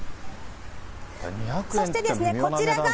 そしてこちらが。